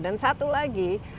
dan satu lagi